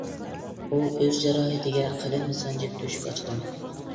ئۇ ئۆز جاراھىتىگە قەلەمنى سانجىپ تۆشۈك ئاچقان.